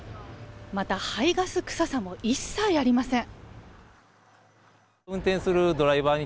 また排ガス臭さも一切ありません。